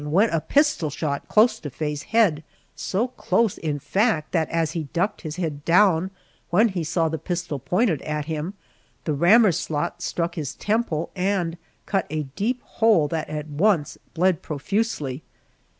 went a pistol shot close to Faye's head so close, in fact, that as he ducked his head down, when he saw the pistol pointed at him, the rammer slot struck his temple and cut a deep hole that at once bled profusely.